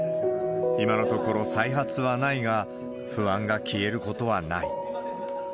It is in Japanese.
今のところ再発はないが、不安が消えることはない。